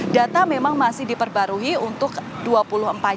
data memang masih diperbarui untuk dua puluh empat jam